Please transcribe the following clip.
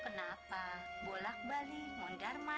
apa yang kamu tahu